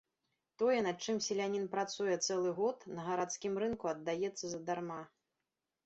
Тое, над чым селянін працуе цэлы год, на гарадскім рынку аддаецца задарма.